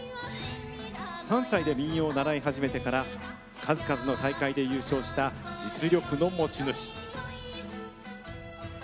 ３歳で民謡を習い始めてから数々の大会で優勝した実力の持ち主。